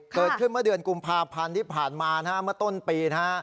เกิดขึ้นเมื่อเดือนกุมภาพันธ์ที่ผ่านมานะฮะเมื่อต้นปีนะฮะ